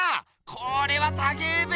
これはたけえべ！